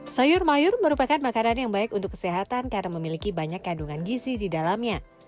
sayur mayur merupakan makanan yang baik untuk kesehatan karena memiliki banyak kandungan gizi di dalamnya